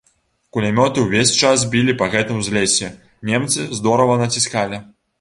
Кулямёты ўвесь час білі па гэтым узлессі, немцы здорава націскалі.